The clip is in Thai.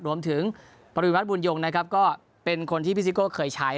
รวมถึงปราบิวิทย์ภาคบุญยงก็เป็นคนที่พี่ซิโกเขาเลี้ยงไว้